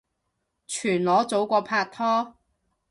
全裸早過拍拖